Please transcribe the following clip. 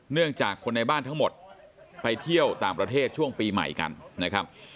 เนื่องจากคนในบ้านทั้งหมดไปเที่ยวต่างประเทศช่วงปีใหม่กันนะครับ